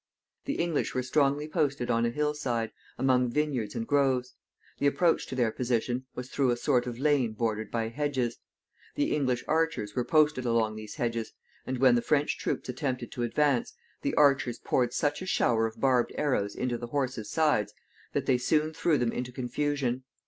The English were strongly posted on a hill side, among vineyards and groves. The approach to their position was through a sort of lane bordered by hedges. The English archers were posted along these hedges, and when the French troops attempted to advance, the archers poured such a shower of barbed arrows into the horses' sides, that they soon threw them into confusion.